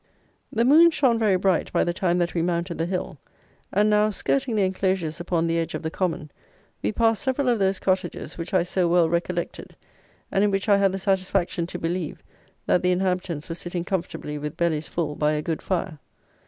The moon shone very bright by the time that we mounted the hill; and now, skirting the enclosures upon the edge of the common, we passed several of those cottages which I so well recollected, and in which I had the satisfaction to believe that the inhabitants were sitting comfortably with bellies full by a good fire.